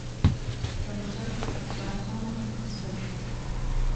Сымҵәышә аҵәаҳә амахә иахасыршәит.